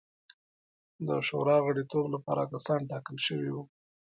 د شورا د غړیتوب لپاره کسان ټاکل شوي وو.